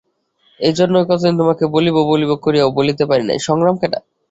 এইজন্যই কতদিন তোমাকে বলিব-বলিব করিয়াও বলিতে পারি নাই।